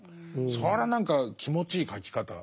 それは何か気持ちいい書き方。